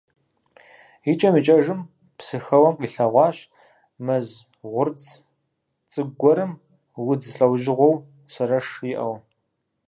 ИкӀэм икӀэжым, Псыхэуэм къилъэгъуащ мэз гъурц цӀыкӀу гуэрым удз лӀэужьыгъуэу сэрэш иӀэу.